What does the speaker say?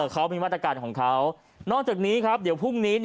เขามีมาตรการของเขานอกจากนี้ครับเดี๋ยวพรุ่งนี้